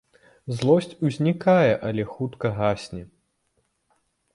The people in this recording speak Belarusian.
Злосць узнікае, але хутка гасне.